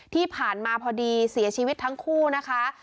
ที่ผ่านมาพอดีเสียชีวิตทั้งคู่นะคะ